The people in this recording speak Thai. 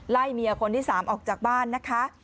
ไล่เมียคนที่สามออกจากบ้านนะคะ